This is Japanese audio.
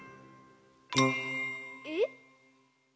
えっ？